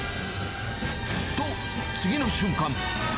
と、次の瞬間。